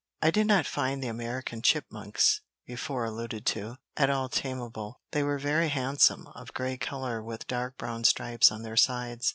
I did not find the American chipmunks, before alluded to, at all tameable. They were very handsome, of grey colour with dark brown stripes on their sides.